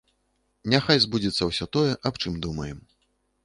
Няхай збудзецца ўсё тое, аб чым думаем.